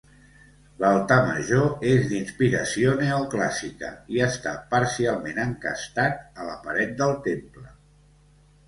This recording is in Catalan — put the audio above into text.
L'altar major és d'inspiració neoclàssica i està parcialment encastat a la paret del temple.